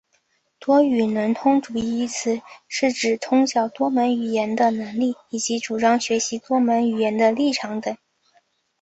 多语能通主义一词是指通晓多门语言的能力以及主张学习多门语言的立场等。